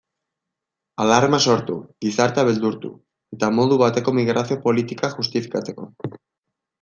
Alarma sortu, gizartea beldurtu, eta modu bateko migrazio politikak justifikatzeko.